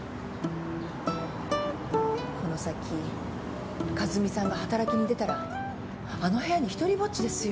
この先和美さんが働きに出たらあの部屋に独りぼっちですよ。